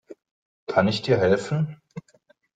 Kann ich dir helfen?